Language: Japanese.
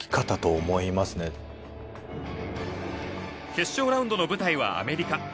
決勝ラウンドの舞台はアメリカ。